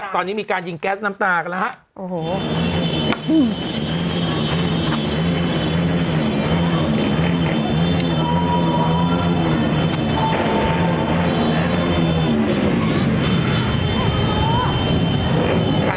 ตอนนี้มีการยิงแก๊สน้ำตากันแล้วครับ